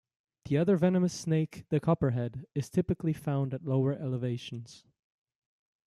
The other venomous snake, the copperhead, is typically found at lower elevations.